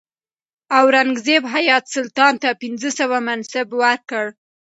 اورنګزیب حیات سلطان ته پنځه سوه منصب ورکړ.